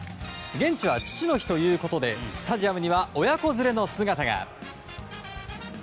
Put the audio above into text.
現地は父の日ということでスタジアムには親子連れの姿が。